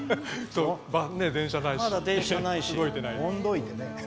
まだ電車ないし。